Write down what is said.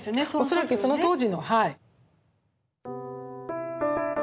恐らくその当時のはい。